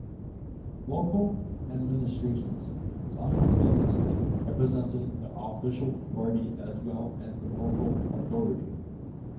Local administrations simultaneously represented the official party as well as the local authority.